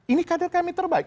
ini kadar kami terbaik